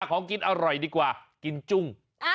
ของกินอร่อยดีกว่ากินจุ้ง